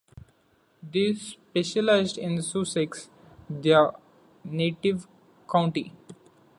They specialised in Sussex, their native county.